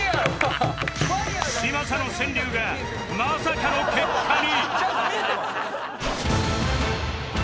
嶋佐の川柳がまさかの結果に！